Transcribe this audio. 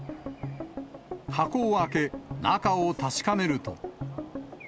箱を開け、中を確かめると。